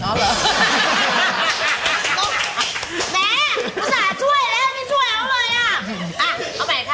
แม่ภาษาช่วยเลยไม่ช่วยเอาเลยอ่ะ